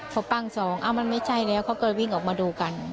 พอปั้งสองมันไม่ใช่แล้วเขาก็เลยวิ่งออกมาดูกัน